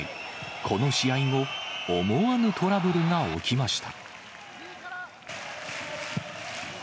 この試合後、思わぬトラブルが起きました。